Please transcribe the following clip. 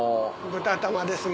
豚玉ですね。